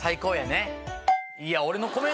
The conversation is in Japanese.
いや。